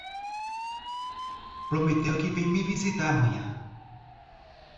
Prometeu que vem me visitar amanhã.